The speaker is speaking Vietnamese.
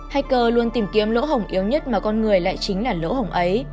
hacker luôn tìm kiếm lỗ hồng yếu nhất mà con người lại chính là lỗ hổng ấy